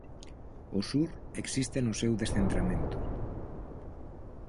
O Sur existe no seu descentramento.